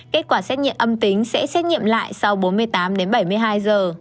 kết quả xét nhiệm âm tính sẽ xét nhiệm lại sau bốn mươi tám đến bảy mươi hai giờ